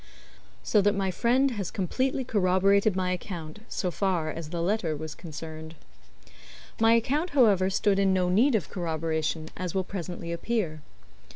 So that my friend has completely corroborated my account, so far as the letter was concerned. My account, however, stood in no need of corroboration, as will presently appear.